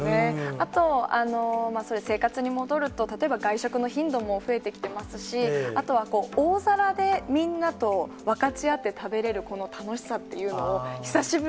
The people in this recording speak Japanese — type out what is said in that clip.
あと、生活に戻ると、例えば外食の頻度も増えてきてますし、あとは大皿でみんなと分かち合って食べれるこの楽しさっていうの